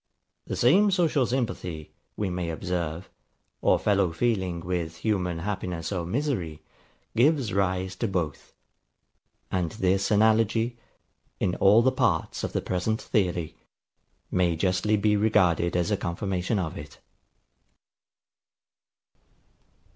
The same social sympathy, we may observe, or fellow feeling with human happiness or misery, gives rise to both; and this analogy, in all the parts of the present theory, may justly be regarded as a confirmation of it.